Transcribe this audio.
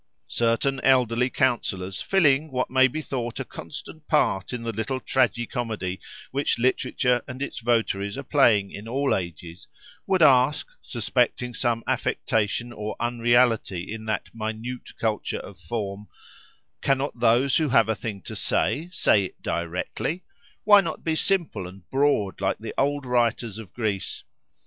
Certain elderly counsellors, filling what may be thought a constant part in the little tragi comedy which literature and its votaries are playing in all ages, would ask, suspecting some affectation or unreality in that minute culture of form:—Cannot those who have a thing to say, say it directly? Why not be simple and broad, like the old writers of Greece?